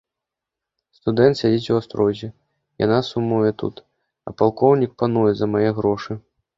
Студэнт сядзіць у астрозе, яна сумуе тут, а палкоўнік пануе за мае грошы.